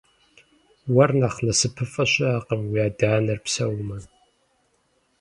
Уэр нэхъ насыпыфӏэ щыӏэкъым уи адэ-анэр псэумэ.